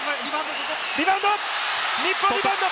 リバウンド！